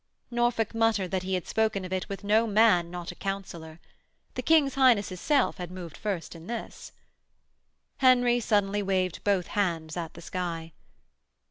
Norfolk muttered that he had spoken of it with no man not a Councillor. The King's Highness' self had moved first in this. Henry suddenly waved both hands at the sky.